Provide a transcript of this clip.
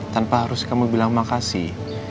tanpa harus kamu bilang makasih